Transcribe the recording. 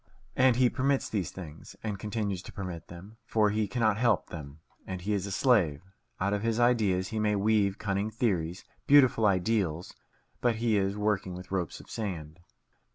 And he permits these things, and continues to permit them, for he cannot help them, and he is a slave. Out of his ideas he may weave cunning theories, beautiful ideals; but he is working with ropes of sand.